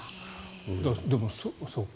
でもそっか。